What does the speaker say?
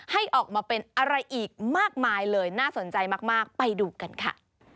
ให้ออกมาเป็นอะไรอีกมากมายเลยน่าสนใจมากไปดูกันค่ะ